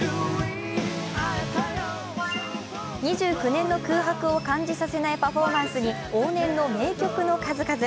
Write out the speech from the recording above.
２９年の空白を感じさせないパフォーマンスに往年の名曲の数々。